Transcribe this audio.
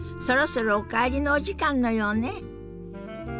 そろそろお帰りのお時間のようね。